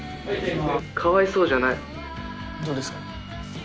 かわいそうじゃどうですか？